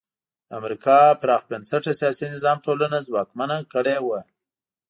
د امریکا پراخ بنسټه سیاسي نظام ټولنه ځواکمنه کړې وه.